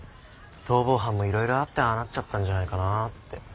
逃亡犯もいろいろあってああなっちゃったんじゃないかなあって。